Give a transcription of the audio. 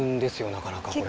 なかなかこれ。